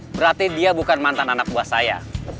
berarti dia bukan mantan anak buah saya